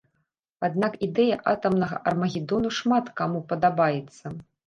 Аднак ідэя атамнага армагедону шмат каму падабаецца.